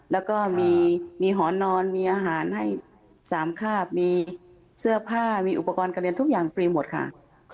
แล้วก็มีหอนอนมีอาหารให้๓คาบมีเสื้อผ้ามีอุปกรณ์การเรียนทุกอย่างฟรีหมดค่ะ